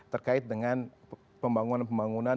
terkait dengan pembangunan pembangunan